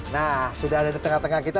nah sudah ada di tengah tengah kita